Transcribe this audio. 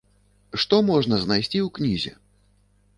Што можна знайсці ў кнізе?